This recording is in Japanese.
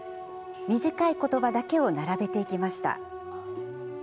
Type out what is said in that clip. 短い言葉だけを並べていきました。